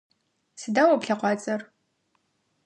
Сыда о плъэкъуацӏэр?